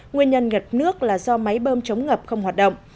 nguyên nhân ngập nước là do máy bơm chống ngập không hoạt động